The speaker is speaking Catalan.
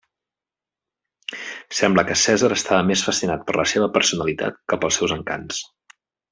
Sembla que Cèsar estava més fascinat per la seva personalitat que pels seus encants.